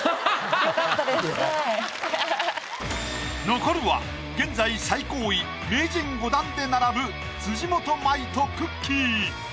残るは現在最高位名人５段で並ぶ辻元舞とくっきー！。